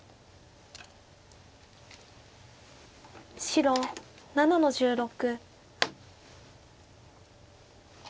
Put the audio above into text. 白７の十六。